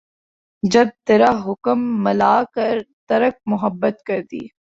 جب ترا حکم ملا ترک محبت کر دی